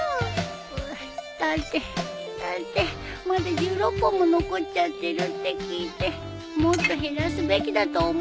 ううっだってだってまだ１６本も残っちゃってるって聞いてもっと減らすべきだと思ったんだよ。